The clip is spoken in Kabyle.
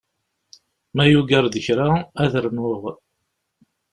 Ma yugar-d kra, ad rnuɣ.